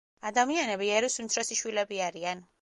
ადამიანები ერუს უმცროსი შვილები არიან.